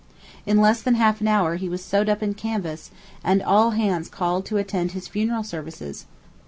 In less than half an hour he was sewed up in canvas, and all hands called to attend his funeral services!